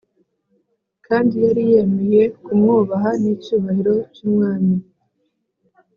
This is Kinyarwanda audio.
kandi yari yemeye kumwubaha nicyubahiro cyumwami.